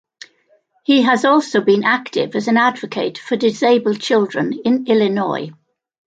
He has also been active as an advocate for disabled children in Illinois.